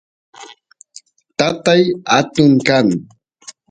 tatay atun kan